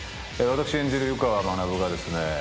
私演じる湯川学がですね